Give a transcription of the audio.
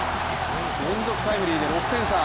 連続タイムリーで６点差。